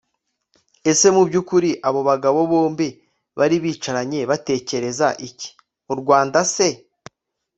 ese mu byukuri abo bagabo bombi bari bicaranye batekereza iki? u rwanda se?